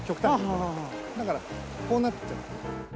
だからこうなっちゃう。